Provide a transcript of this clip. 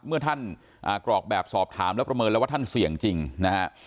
เมื่อท่านกรอกแบบสอบถามแล้วประเมินแล้วว่าท่านเสี่ยงจริงนะฮะ